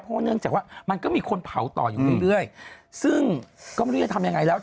เพราะเนื่องจากว่ามันก็มีคนเผาต่ออยู่เรื่อยซึ่งก็ไม่รู้จะทำยังไงแล้ว